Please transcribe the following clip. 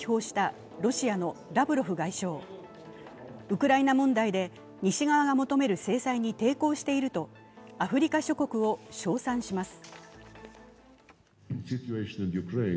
ウクライナ問題で西側が求める制裁に抵抗しているとアフリカ諸国を称賛します。